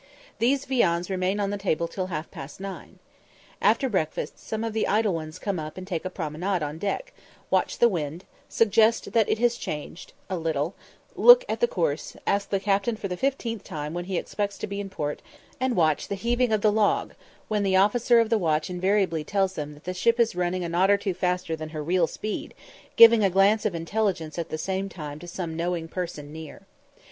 These viands remain on the table till half past nine. After breakfast some of the idle ones come up and take a promenade on deck, watch the wind, suggest that it has changed a little, look at the course, ask the captain for the fiftieth time when he expects to be in port, and watch the heaving of the log, when the officer of the watch invariably tells them that the ship is running a knot or two faster than her real speed, giving a glance of intelligence at the same time to some knowing person near.